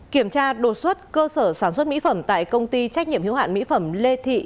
kiểm tra đột xuất cơ sở sản xuất mỹ phẩm tại công ty trách nhiệm hiếu hạn mỹ phẩm lê thị